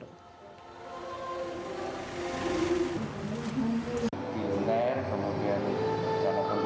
dr arief basuki dr anestesi di rumah sakit dr sutomo